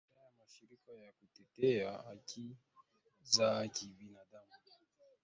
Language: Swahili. da ya mashirika ya kutetea haki za kibinadamu